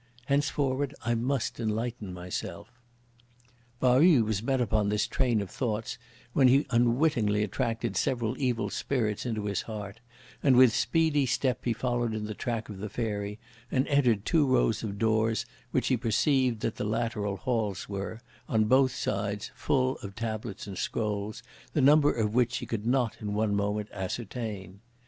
Henceforward, I must enlighten myself!" Pao yü was bent upon this train of thoughts when he unwittingly attracted several evil spirits into his heart, and with speedy step he followed in the track of the fairy, and entered two rows of doors when he perceived that the Lateral Halls were, on both sides, full of tablets and scrolls, the number of which he could not in one moment ascertain.